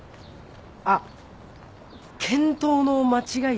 あっ検討の間違いだった。